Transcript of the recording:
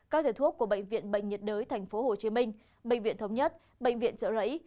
các thể thuốc của bệnh viện bệnh nhiệt đới tp hcm bệnh viện thống nhất bệnh viện chợ rẫy